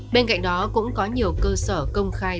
bên cạnh đó cũng có nhiều cơ sở công khai